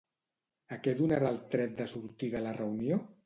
A què donarà el tret de sortida la reunió?